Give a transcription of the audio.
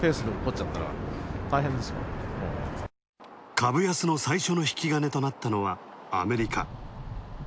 株安の最初の引き金となったのは、アメリカ。